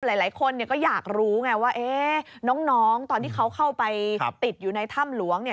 หลายคนเนี่ยก็อยากรู้ไงว่าน้องตอนที่เขาเข้าไปติดอยู่ในถ้ำหลวงเนี่ย